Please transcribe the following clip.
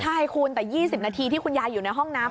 ใช่คุณแต่๒๐นาทีที่คุณยายอยู่ในห้องน้ำ